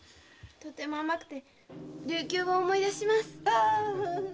とても甘くて琉球を思い出します。